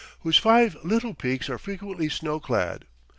whose five little peaks are frequently snow clad.